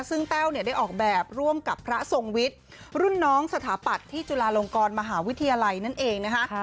ซึ่งแต้วเนี่ยได้ออกแบบร่วมกับพระทรงวิทย์รุ่นน้องสถาปัตย์ที่จุฬาลงกรมหาวิทยาลัยนั่นเองนะคะ